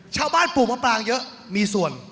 ชาวบ้านปลูกมะปรางเยอะมีส่วน